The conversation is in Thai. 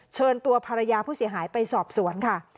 เชิญตัวภรรยาผู้เสียหายไปสอบสวนค่ะ